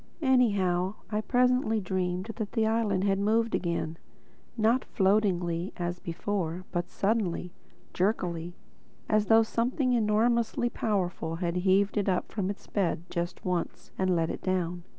Anyhow I presently dreamed that the island had moved again—not floatingly as before, but suddenly, jerkily, as though something enormously powerful had heaved it up from its bed just once and let it down.